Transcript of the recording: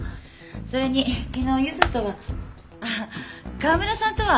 それに昨日ゆずとはあっ川村さんとは会っていません。